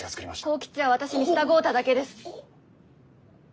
幸吉は私に従うただけです。